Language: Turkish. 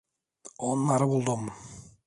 Onları buldum!